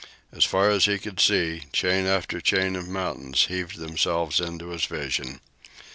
As far as he could see, chain after chain of mountains heaved themselves into his vision.